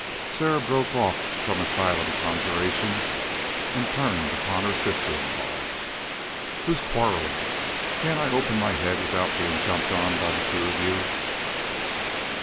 Sarah broke off from asylum conjurations and turned upon her sister in law. "Who's quarreling? Can't I open my head without bein' jumped on by the two of you?"